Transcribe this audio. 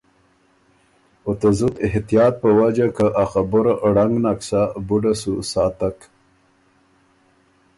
او ته زُت احتیاط په وجه که ا خبُره ړنګ نک سۀ بُډه سو ساتک۔